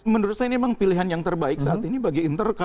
menurut saya ini memang pilihan yang terbaik saat ini bagi interka